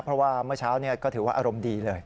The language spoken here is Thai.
เพราะว่าเมื่อเช้าก็ถือว่าอารมณ์ดีเลย